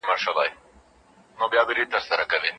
خلګو د خپلو پس اندازونو کچه لوړه کړې وه.